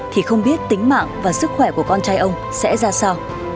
thì không biết tính mạng và sức khỏe của con trai ông sẽ ra sao